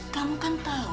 kamu kan tau